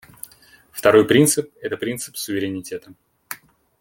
Второй принцип — это принцип суверенитета.